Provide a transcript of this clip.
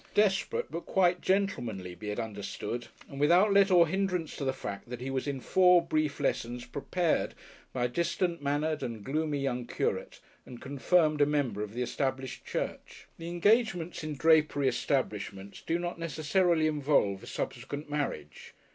Desperate, but quite gentlemanly, be it understood, and without let or hindrance to the fact that he was, in four brief lessons, "prepared" by a distant mannered and gloomy young curate, and "confirmed" a member of the Established Church. The engagements in drapery establishments do not necessarily involve a subsequent marriage.